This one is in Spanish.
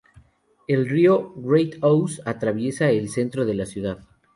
El río "Great Ouse" atraviesa el centro de la ciudad.